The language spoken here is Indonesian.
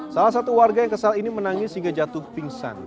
salah satu warga yang kesal ini menangis hingga jatuh pingsan